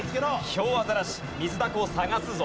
ヒョウアザラシミズダコを探すぞ。